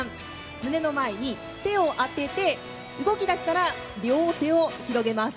胸の前に手を当てて動き出したら両手を広げます。